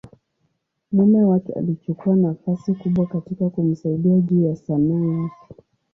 mume wake alichukua nafasi kubwa katika kumsaidia juu ya Sanaa yake.